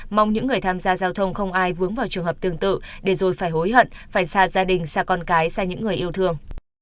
mong những người tham gia giao thông không ai vướng vào trường hợp tương tự để rồi phải hối hận phải xa gia đình xa con cái sang những người yêu thương